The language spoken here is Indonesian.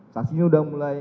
saksinya udah mulai